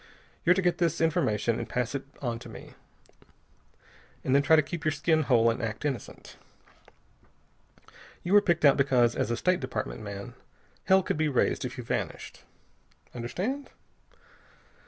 You're to get this formation and pass it on to me, then try to keep your skin whole and act innocent. You were picked out because, as a State Department man, hell could be raised if you vanished. Understand?"